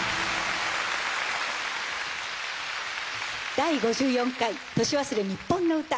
『第５４回年忘れにっぽんの歌』。